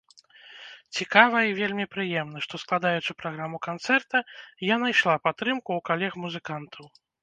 Цікава і вельмі прыемна, што, складаючы праграму канцэрта, я найшла падтрымку ў калег-музыкантаў.